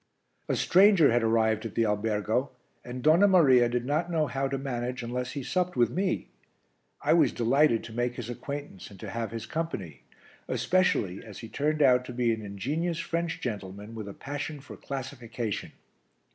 A stranger had arrived at the albergo and Donna Maria did not know how to manage unless he supped with me; I was delighted to make his acquaintance and to have his company, especially as he turned out to be an ingenious French gentleman with a passion for classification.